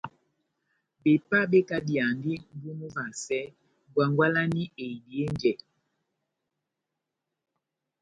Bepá bekadiyandi mʼbu múvasɛ ngwangwalani eidihe njɛ.